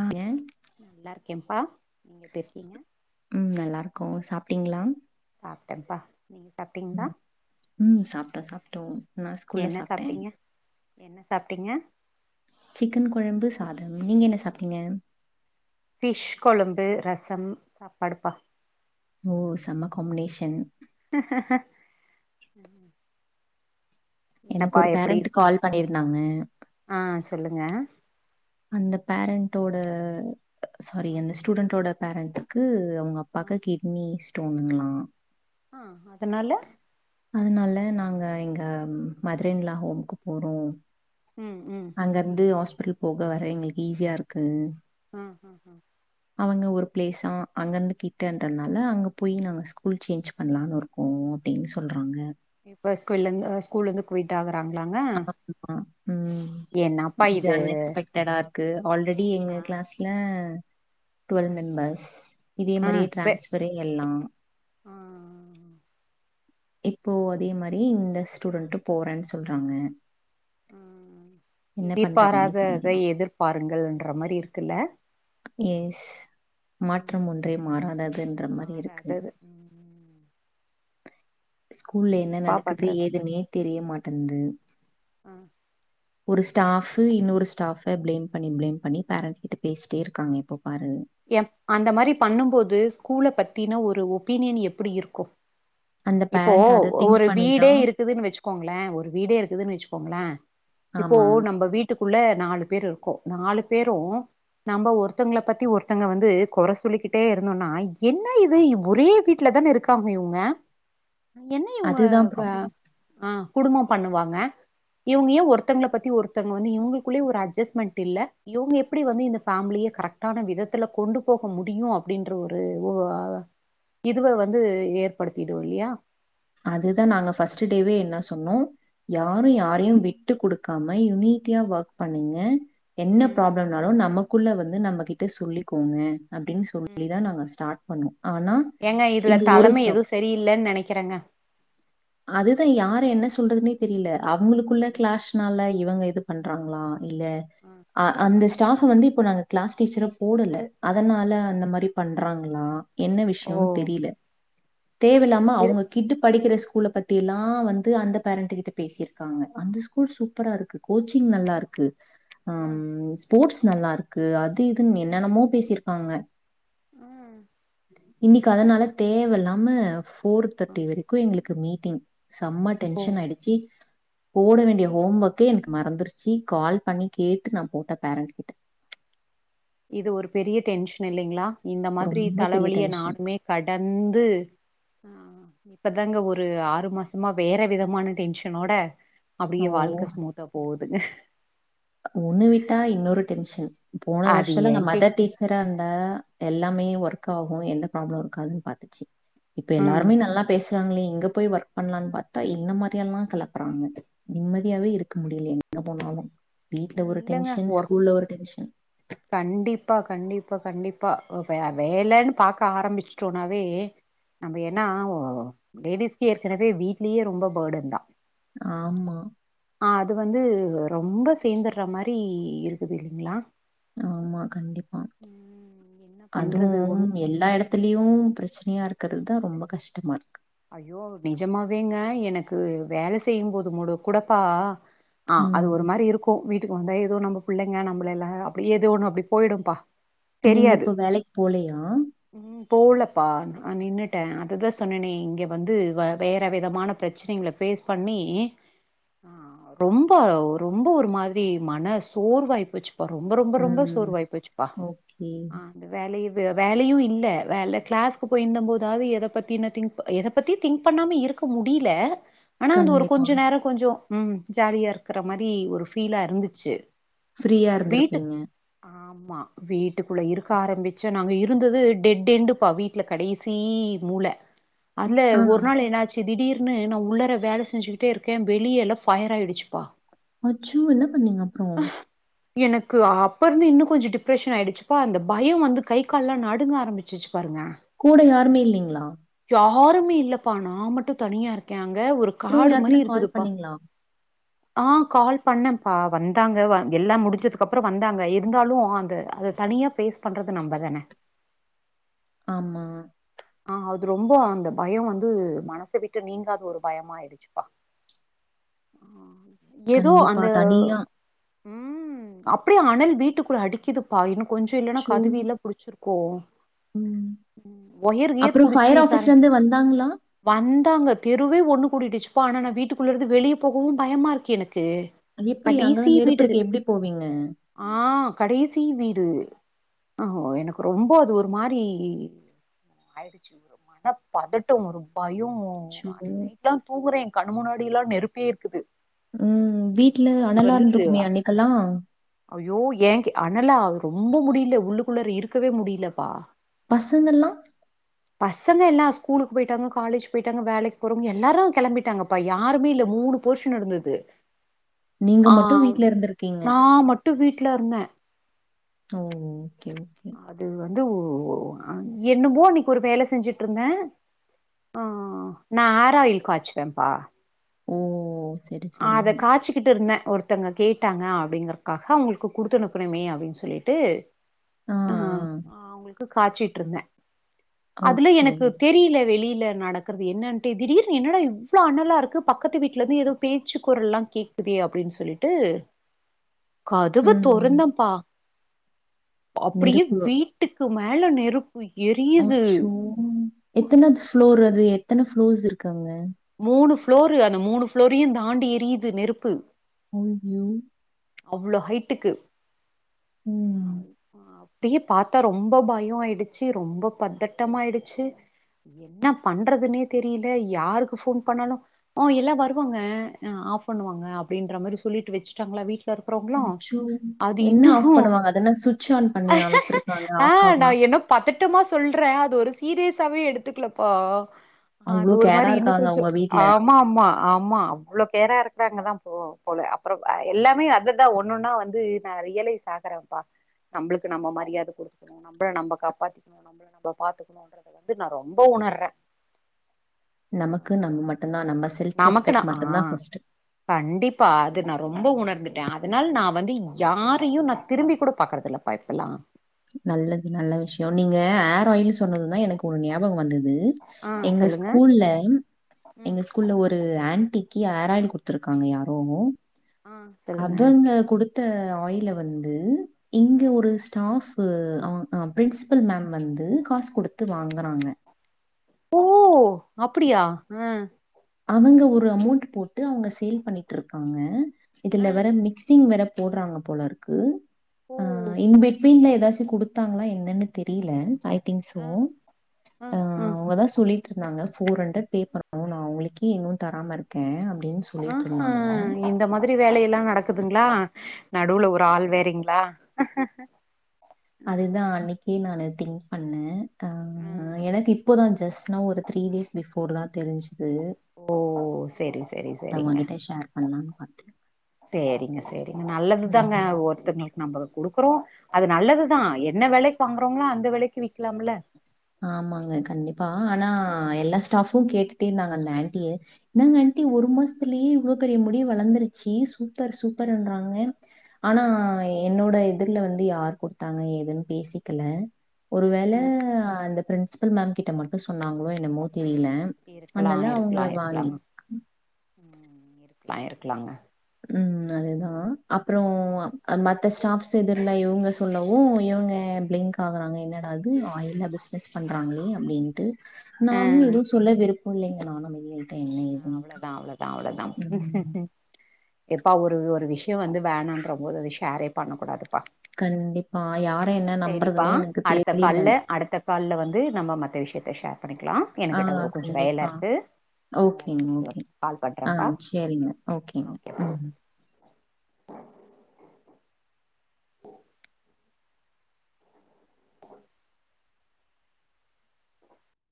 அ ஏ நல்லாருக்கேன்பா ம் நல்லாருக்கோ சாப்ட்டீங்களா சாப்ட்டன்பா நீங்க சாப்டிங்களா ம் சாப்ட்டோ சாப்ட்டோ நா ஸ்கூல்ல என்ன சாப்ட்டே சாப்டிங்க என்ன சாப்ட்டீங்க சிக்கன் கொழம்பு சாதம் நீங்க என்ன சாப்ட்டீங்க ஃபிஷ் கொழம்பு ரசம் சாப்பாடுப்பா ஓ செம்ம காம்னேஷன் ம் எனக்கு என்னப்பா ஒரு எப்டி பேரண்ட் கால் பண்ணியிருந்தாங்க ஆ சொல்லுங்க அந்த பேரண்டோட சாரி அ அந்த ஸ்டூடண்டோட பேரண்ட்டுக்கு அவங்க அப்பாக்கு கிட்னி ஸ்டோனுங்களா அ அதனால அதனால நாங்க எங்க மதரின்லா ஹோம்க்கு போறோ ம் ம் அங்கருந்து ஹாஸ்பிட்டல் போக வர எங்களுக்கு ஈஸியாருக்கு ம் ம் ம் அவங்க ஒரு ப்ளேஸா அங்கந்து கிட்டன்றனால அங்க போயி நாங்க ஸ்கூல் சேஞ்ச் பண்லானுருக்கோ. அப்டின் சொல்றாங்க. இப்ப ஸ்கூல்லிந்து அ ஸ்கூல்லிந்து க்குயிட்டாக டாங்ளாங்க ஆ, ம் என்னப்பா இது. க்கு ஆல்ரெடி எங்க ஆ க்ளாஸ்ல டுவெல் மெம்பர்ஸ் இதே ஆ மாரியே பே டிரான்ஸ்பரே எல்லா. ஆ ஹ இப்போ அதே மாரி இந்த ஸ்டூடென்டு போறன் சொல்றாங்க. ம் ம் என்ன பண்றதுன்னே தெரியல எதிர்பாராததை எதிர்பாருங்கள்ன்ற மாரி இருக்குல்ல. எஸ் மாற்றம் ம் ஒன்றே மாறாததுன்ற மாரி இருக்கு. மாறாதது ம் ஸ்கூல்ல என்ன என்னப்பா நடக்குது பண்றது ஏதுன்னே தெரியமாட்டன்து. அ ஒரு ஸ்டாஃபு இன்னோரு ஸ்டாஃப பிளேம் பண்ணி பிளேம் பண்ணி பேரண்ட் கிட்ட பேசிட்டேருக்காங்க எப்ப பாரு. எப் அந்த மாரி பண்ணும்போது ஸ்கூல பத்தின ஒரு ஒப்பீனியன் எப்பிடி இருக்கு? அந்த இப்போ பேரண்ட் அத திங்க் ஒரு பண்ணி வீடே தான் இருக்குதுன் வெச்சுக்கோங்ளே ஒரு வீடே இருக்குதுன் வெச்சுக்கோங்ளே இப்போ ஆமா. நம்ம வீட்டுக் குள்ள நாலு பேரு இருக்கோ நாலு பேரு நம்ப ஒருத்தங்கள பத்தி ஒரு த்தங்க வந்து கொற சொல்லிக்கிட்டே இருந்தொன்னா என்ன இது இவ் ஒரே வீட்லதான இருக்காங்க இவுங்க அ என்ன இவுங்க அதுதான் க ப்ராப் அ குடும்போ பண்ணுவாங்க இவுங்க ஏ ஒருத்தங்கள பத்தி ஒருத்தங்க வந்து இவுங்குளுக்குல்லியே ஒரு அட்ஜெஸ்மெண்ட் இல்ல இவுங்க எப்பிடி வந்து இந்த ஃபேமிலி ய கரக்டான விதத்துல கொண்டு போக முடியு அப்டின்ற ஒரு ஒ அ வ இதுவ வந்து ஏற்படுத்திடு இல்லியா? அதுதா நாங்க ஃபஸ்ட்டு டேவே என்ன சொன்னோ யாரு ம், யாரையு வி ட்டு குடுக்காம யுனிட்டியா ஒக் பண்ணுங்க என்ன ம், ப்ராப்ளம்னாலு நம குள்ள வந்து நம்ம கிட்ட சொல்லிக்கோங்க அப்டின் சொல்லி ம், தா ம். நாங்க ஸ்டாட் பண்ணோ. ஆனா ஏங்க இதுல இங்க ஒரு தலைமை ஸ்டாஃப் எதுவும் சரியில்லன்னு நெனைக்கிறேங்க. அதுதா யார என்னஸ் சொல்றதுனே தெரியில அவுங்குளுக்குள்ள ம், கிளாஷ்னால இவங்க இது பண்றாங்ளா? இல்ல ம். அ அந்த ஸ் டாஃப வந்து இப்போ நாங்க கிளாஸ் டீச்சரா போடல அதனால அந்த மாரி பண்றாங்ளா? என்ன ஓ! விஷ்யோன் தெரில தேவல்லாம இரு அவுங்க டிக்கிற ஸ்கூல பத்தி எல்லா வந்து அந்த பேரண்ட்டு கிட்ட பேசிருக்காங்க. அந்த ஸ்கூல் சூப்பரா இருக்கு கோச்சிங் நல்லாருக்கு. ம், அம் ஸ்போட்ஸ் நல்லா இருக்கு அது இதுன் என்னென்னமோ பேசிருக்காங்க. ம் இன்னிக்கு அதனால தேவ இல்லாம ஃபோர் தட்டி வரைக்கு எங்குளுக்கு மீட்டிங். சம்ம ஓ! டென்ஷன் ஆயிடுச்சி. போட வேண்டிய ஹோம் ஒக்கே எனக்கு மறந்துருச்சி கால் பண்ணி கேட்டு நா போட்டே பேரண்ட் கிட்ட. இது ஒரு பெரிய டென்ஷ்ன் இல்லிங்ளா? இந்த மாதிரி ரொம்ப பெரிய தலவலிய டென்ஷன். நானுமே கடந்து ஆ இப்ப தாங்க ஒரு ஆறு மாசமா வேற விதமான டென்ஷனோட ஓ! அப்டியே வாழ்க்க ஸ்மூத்தா போவு துங்க. ஒன்னு விட்டா இன்னொரு டென்ஷன் போன அது வருஷல்லா நா ஏன்கே மதர் டீச்சராந்தா எல் லாமே ஒர்க் ஆகு எந்த ப்ராளமு இருக்காதுன் பாத்துச்சி இப்ப ம் எல்லாருமே நல்லா பேச றாங்ளே இங்க போய் ஒர்க் பண்லான் பாத்தா இந்த மாரியெல்லா கெளப்பறாங்க. நிம்மதியாவே இருக்க முடில எ ங்க போனாலு வீட்ல ஒரு இல்லங்க டென்ஷன் ஒர்க் ஸ்கூல்ல ஒரு டென்ஷன். கண்டிப்பா கண்டிப்பா கண்டிப்பா அ வெ வேலனு பாக்க ஆரம்பிச்சுட்டோனாவே நம்ம ஏன்னா வ வ லேடிஸ்க்கு ஏற்கெனவே வீட்லியே ரொம்ப பேடன் தா. ஆமா ஆ அது வந்து ரொம்ப சேந்தர்ற மாரி இருக்குது இல்லிங்ளா ஆமா கண்டிப்பா என்ன பண்றது ஒன் அதுவும் எல்லா எடத்திலியு பிரச்சனையாருக்கிறதா ரொம்ப கஷ்டமாருக்கு ஐயோ நிஜமாவேங்க எனக்கு வேல செய்யும்போது முட குடப்பா ஆ அது ஒரு ம் மாரி இருக்கு வீட்டுக்கு வந்தா ஏதோ நம்ம பிள்ளைங்க நம்மள எல்லா அப்டி ஏதோ ஒன்னு அப்டி போயிடும்பா நீங்க தெரியாது இப்ப வேலைக் போலையா ம் போலப்பா நா நின்னுட்டே அததா சொன்னனேன் இங்க வந்து வ வேற விதமான பிரச்னைங்ள ஃபேஸ் பண்ணி ரொம்ப ஒரு ரொம்ப ஒரு மாதிரி மன சோர்வாய் போச்சு பா ரொம்ப ரொம்ப ரொம்ப ம் சோர் வாய்ப்போச்சுப்பா ஓகே வே வேலையு இல்ல வேல கிளாஸ்கு போயிந்த போதாவ்து எதபத்தி நா திங் ப எத பத்தியு திங்க் பண்ணாம இருக்க முடில ஆனா அந்த ஒரு கண்டிப்பா கொஞ்ச நேர கொஞ்சோ ம் ஜாலியாருக்கிற மாரி ஒரு ஃபீலா இருந்துச்சு ஆ ஃப்ரீயா வீட்டு இருந்திருப்பீங்க ஆமா வீட்டுக்குள்ள இருக்க ஆரம்பிச்ச நாங்க இருந்தது டெட் எண்டுப்பா வீட்ல கடைசீ மூல அதுல ஆ. ஒரு நாள் என்னாச்சு திடீர்னு நா உள்ளர வேல செஞ்சுக்கிட்டேருக்கே வெளியல ஃபயர் ஆயிடுச்சுப்பா அச்சோ! என்ன பண்ணீங்க அப்புறம்? எனக்கு அப்பருந்து இன்னு கொஞ்ச டிப்ரெஷனாயிடுச்சுப்பா அந்த பய வந்து கை கால்லா நடுங்க ஆரம்பிச்சிச்சு பாருங்க கூட யாருமே இல்லிங்ளா யாருமே இல்லப்பா நா மட்டு தனியா இருக்கே அங் க ஒரு அப்புறம் காடு மாரி யாருக்குன்னா கால் இருக்குதுப்பா பண்ணீங்களா? ஆ கால் பண்ணப்பா வந்தாங்க வ எல்லா முடிஞ்சதுக்கப்ற வந்தாங்க இருந்தாலு அந்த அது த னியா ஃபேஸ் பண்றது நம்பதான ஆமா ஆ அது ரொம்போ அந்த பய வந்து மனச விட்டு நீங்காத ஒரு பயமாயிடுச்சுப்பா அ எதோ கண்டிப்பா. அந்த தனியா உம் அப்டியே அனல் வீட்டுக்குள்ள அடிக்குதுப்பா இன்னு கொஞ்ச இல்லனா அச்சோ! கதவியில்லா புடிச்சிருக்கோ ம். ம் ஒயர் கியிர் அப்புறம் ஃபயர் ஆஃபிஸ்லந்து வந்தாங்ளா இந்தாங்க தெருவே ஒன்னு கூடிடுச்சுப்பா ஆனா நா வீட்டுக்குள்ளருந்து வெளியப் போகவு பயமாருக்கு எனக் க்கு எப்படி அங்க கடைசீ தான் நெருப்பு வீடு இது இருக்கு. எப்படி போவீங்க? ஆ கடைசீ வீடு ஆ எனக்கு ரொம்ப அது ஒரு மாரி மனப் பதட்டோ ஒரு பயோ அச்சோ! நைட்லாந் தூங்கறே கணுமுன்னாடிலா நெருப்பே இருக்குது உம் ஆ, வீட்ல அனலாருந்திருக்குமே அன்னைக்கல்லா அய்யோ ஏங்கே அனலா ரொம்ப முடில உள்ளுக்குள்ளாற இருக்கவே முடிலப்பா பசங்கல்லா பசங்க எல்லா ஸ்கூலுக் போயிட்டாங்க காலேஜ் போயிட்டாங்க வேலைக் போறவங்க எல்லாரு கெளம்பிட்டாங்கப்பா யாருமே இல்ல மூனுப் போர்ஷன் இருந்தது நீங்க மட்டும் ஆம் வீட்ல இருந்திருக்கீங்க. நா மட் ட்டு வீட்லருந்தே ஓ ஓகே ஓகே து அ என்னவோனிக் ஒரு வேல செஞ்சிட்ருந்தே ஆ நா ஆர் ஆயில் காச்வேம்ப்பா ஓ சரி, சரி. அத காச்சுக்கிட்டுருந்தே ஒருத்தங்க கேட்டாங்க அப்டிங்கறக்காக அவுங்களுக்கு குடுத்தனுப்புணுமே அப்டின் சொல்லிட்டு ஆ அவுங்களுக்கு காச்சிட்ருந்தே அதுல ஓகே. எனக்கு தெரியில வெளிய இல்ல நடக்கறது என்னன்டே திடீர்னு என்னடா இவ்ளோ அனலாருக்கு பக்கத்து வீட்லந்து எதோ பேச்சு குரள்லா கேக்குதே அப்டின் சொல்லிட்டு கதுவு ம். தொறந்தப்பா அப்டியே நெருப்பு வீட்டுக்கு மேல நெருப் அச்சோ எத்தனாது ஃப்ளோர் அது எத்தன ஃப்ளோர்ஸ் இருக்கு அங்க மூணு ஃப்ளோரு அந்த மூணு ஃப்ளோரையுந் தாண்டி எரியுது நெருப்பு அய்யோ அவ்ளோ ஹைட்டுக்கு ம். அப்டியே பாத்தா ரொம்ப பயோ ஆயிடுச்சு ரொம்ப பத்தட்டமாயிடுச்சு என்ன பண்றதுன்னே தெரியில யாருக்கு ஃபோன் பண்ணனு அ எல்லா வருவாங்க ஆ ஆஃப் பண்ணுவாங்க அப்டின்ற மாரி சொல்லிட்டு வச்டாங்ளா வீட் தற் ப்ரோக்லா அச்சோ! அது என்ன இன்னு ஆஃப் பண்ணுவாங்க? அதென்ன ஸ்விட்ச் ஆன் பண்ணியா விட்டுருக்காங்க? அ ஆஃப் நா ஆகும். எ இன்னு பதட்டமா சொல்ற அது ஒரு சீரியஸாவே எடுத்துக்கலப்பா அ அது அவ்ளோ ஒரு கேரா மாரி இன்னு இருக்காங்க கொஞ்சோ உங்க வீட்ல. ஆமாம்மா ஆமா அவ்ளோ கேரா இருக்காங்கதா ஓ போல அப்பறோ எல்லாமே அததா ஒண்ணொன்னா வந்து நா ரியலைஸ் ஆகுறேம்பா நம்ளுக்கு நம்ம மரியாத குடுக்கணு நம்மல நம்ம கப்பாத்திக்கனு நம்மள நம்ம பாத்துக்கனுன்றத வந்து நா ரொம்பவு உணர்றே நமக்கு நம்ம மட்டுந்தா நம்ம செல்ஃப் நமக்குன்னா ரெஸ்பெக்ட் ஆ மட்டும் தான் ஃபர்ஸ்ட்டு. கண்டிப்பா அது நா ரொம்ப உணர்ந்துட்டே அதுனால நா வந்து யாரையு நா திரும்பி கூட பாக்குறது இல்லப்பா இப்பல்லா நல்லது நல்ல விஷயோ நீங்க ஆர் ஆயில்னு சொன்னதுதா எனக்கு ஒரு ஞாபகோ வந்துது து ஆ எங்க சொல்லுங்க ஸ்கூல்ல ம் எங்க ஸ்கூல்ல ஒரு ஆன்டி க்கி ஆர் ஆயில் குடுத்துருக்காங்க யாரோ சொல்லுங்க த்த ஆயில வந்து இங்க ஆ ஒரு ஸ்டாஃப் உப்பு அவ அ பிரின்சிபல் மேம் வந்து காஸ் குடுத்து ஆ வாங்குறாங்க ஓ அப்டியா ம் அவுங்க ஒரு அமௌண்ட் போட்டு அவுங்க சேல் பண்ணிட்ருக்காங்க இதுல ஆ வேற மிக்சிங் வேற போட்றாங்க போலருக்கு ஓ அ இன்பிட்வீன்ல எ எதாச்சு குடுத்தாங்களா என்னன்னு தெரியில ஐ திங்க் சோ ஆ ஆ அ ஆ அவதா சொல்லிட் இருந்தாங்க ஃபோர் ஹண்ட்ரட் ஆ பே பண்னணு நா அவுங்களுக்கே இன்னு தராமருக்கே அ ஹா இந்த மாதிரி ரி வேலையெல்லா நடக்குதுங்களா நடுல ஒரு ஆள் வேறங்ளா அதுதா அன்னைக்கே நாணு திங்க் பண்ணே அ எனக்கு இப்போதா ஜஸ்ட் நவ் ஒரு த்ரீ டேஸ் பி ஃபோர் தா தெருஞ்சுது ஓ செரி செரி தா செரிங்க ஓங்கிட்ட ஷேர் பண்லான்னு பாத்தே சேரிங்க சேரிங்க நல்லதுதாங்க ஒருத்தகளுக் நம்பள குடுக்குறோ அது நல்லதுதா என்ன வெலக்கு வாங்கறோங்களா அந்த வெலக்கி விக்லாம்ல ஆமாங்க கண்டிப்பா ஆனா எல்லா ஸ்டாஃபு கேட்டுட்டே இருந்தாங்க அந்த ஆன்ட்டிய என்னங்க ஆண்டி ஒரு மாசத்துலயே இவ்ளோ பெரிய முடி வளந்துருச்சு சூப் பர் சூப்பருன்றாங்க ஆனா ஏ என்னோட எதிர்ல வந்து யார் குடுத்தாங்க எதுன்னு பேசிக்கல ஒருவேள அந்த பிரின்சிபல் மேம் கிட்ட மட்டு சொன்னாங்களோ என்னமோ தெரியில இருக்கலா அதுனால அவுங்க இருக்கலா வாங்கி இருக்கலாங்க ம் இருக்கலா இருக்கலாங்க ம் அதுதா அப்றோ மத்த ஸ்டாஃப்ஸ் எதர்ல இவுங்க சொல்லவு இவுங்க அ பிளிங்க் ஆகுறாங்க என்னடாஇது ஆயில்ல பிஸ்னஸ் பண்றாங்களே அப்டின்ட்டு ஆ நானும் எதுவு சொல்ல விருப்போ இல்லைங்க நானு அமைதியா அ அவ்ளதா அவ்ளதா அவ்ளதா ம். எப்பா ஒரு ஒரு விஷயோ வந்து வேணான்ற போது அது ஷேரே பண்ணக்கூடாது பா கண்டிப்பா. யார என்ன செரிப்பா நம்புறதுன்னே எனக்கு அடுத்த கால்ல தெரியலங்க. அடுத்த கால்ல வந்து நம்ம மத்த விஷயத் இத ஷேர் பண்ணிக்கலா ஆ எனக்குட்ட ஒ கொஞ்சோ கண்டிப்பா. வேலருக்கு கொஞ்சோ வேல ஓகேங்க, முடிச்சுட்டு ஓகே. கால் ஆ பண்றேப்பா சரிங்க. ஓகேப்பா ஓகேங்க. ஓகேப்பா ம்.